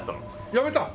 やめた。